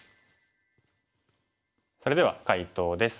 それでは解答です。